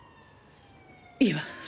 いいわ。